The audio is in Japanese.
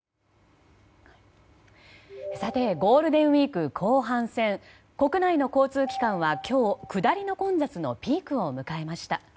ゴールデンウィーク後半戦国内の交通機関は今日下りの混雑のピークを迎えました。